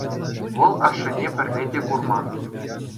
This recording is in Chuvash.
Вӑл ашшӗне пӗрре те курман.